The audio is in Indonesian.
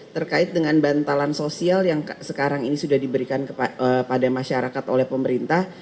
terkait dengan bantalan sosial yang sekarang ini sudah diberikan kepada masyarakat oleh pemerintah